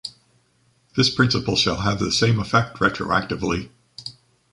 This principle shall have the same effect retroactively.